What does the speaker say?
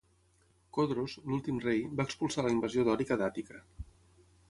Codros, l'últim rei, va expulsar la invasió dòrica d'Àtica.